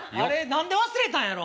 何で忘れたんやろ。